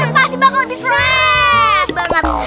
nah itu pasti bakal lebih serius banget